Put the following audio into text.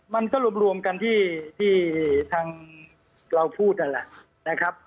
มันก็รวมกันที่ทางเราพูดนั่นแหละนะครับ